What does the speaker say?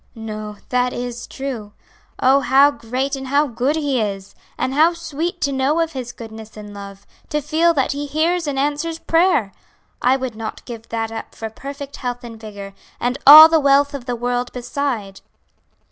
"No, that is true. Oh, how great and how good He is! and how sweet to know of His goodness and love; to feel that he hears and answers prayer! I would not give that up for perfect health and vigor, and all the wealth of the world beside."